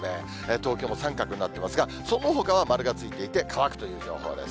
東京も三角になってますが、そのほかは丸がついていて、乾くという予報です。